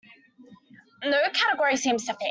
No category seems to fit.